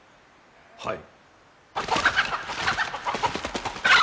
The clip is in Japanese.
はい。